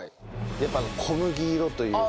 やっぱあの小麦色というか。